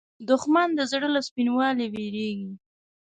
دښمن د زړه له سپینوالي وېرېږي